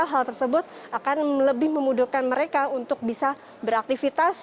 hal tersebut akan lebih memudahkan mereka untuk bisa beraktivitas